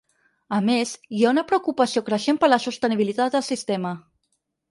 A més, hi ha una preocupació creixent per la sostenibilitat del sistema.